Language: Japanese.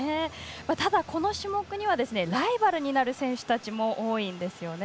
ただ、この種目にはライバルになる選手たちも多いんですよね。